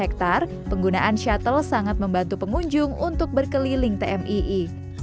dengan satu ratus lima puluh hektare penggunaan shuttle sangat membantu pengunjung untuk berkeliling tmii